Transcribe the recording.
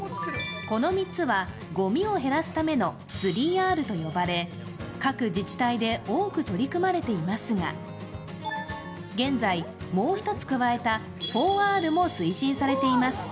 この３つは、ごみを減らすための３Ｒと呼ばれ各自治体で多く取り組まれていますが、現在、もう一つ加えた４Ｒも推進されています。